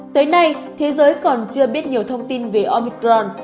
tới nay thế giới còn chưa biết nhiều thông tin về omicron